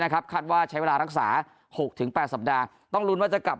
คาดว่าใช้เวลารักษา๖๘สัปดาห์ต้องลุ้นว่าจะกลับ